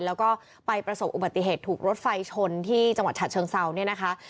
แล้วก็ไปประสบอุบัติเหตุถูกรถไฟชนที่จังหวัดฉะเชิงเซาเนี่ยนะคะ